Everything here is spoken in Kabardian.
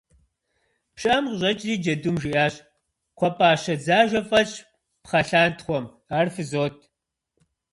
Пщыӏэм къыщӏэкӏри, джэдум жиӏащ: - Кхъуэпӏащэ дзажэ фӏэлъщ пхъэлъантхъуэм, ар фызот.